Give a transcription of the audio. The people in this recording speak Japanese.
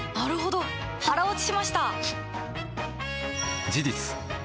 腹落ちしました！